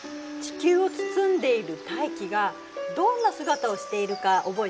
地球を包んでいる大気がどんな姿をしているか覚えている？